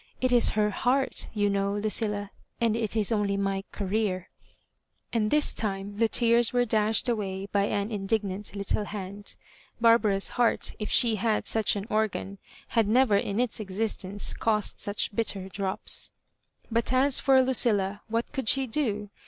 It is her heart, you know, .Lucilla; and' it is only my Career.'* And this time the tears were dashed away by . an indignant little.hand. Barbara's heart, if she Digitized by LjOOQIC lass 2CABJ0BIBAKXB. 123 had sach an organ, had never in its existence cost such bitter dropa But as for Lucilla, what could she do